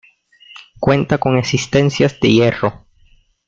Cuenta con existencias de hierro.